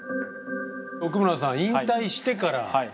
奥村さん「引退してから」。